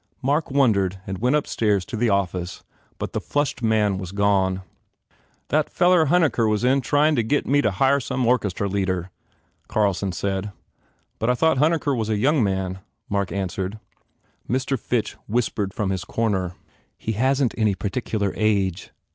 Mark wondered and went upstairs to the office but the flushed man was gone. "That feller Huneker was in tryin to get me to hire some orchestra leader," Carlson said. "But I thought Huneker was a young man," Mark answered. Mr. Fitch whispered from his corner, "He hasn t any particular age.